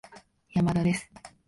山田です